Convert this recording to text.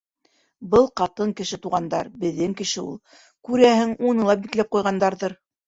— Был ҡатын кеше, туғандар, беҙҙең кеше ул. Күрәһең, уны ла бикләп ҡуйғандарҙыр.